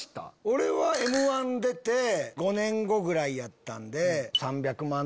俺は『Ｍ−１』出て５年後ぐらいやったんで。